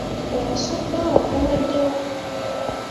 Omusubbaawa guweddewo.